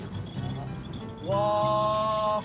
うわ！